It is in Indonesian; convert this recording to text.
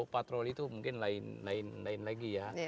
patroli itu mungkin lain lain lagi ya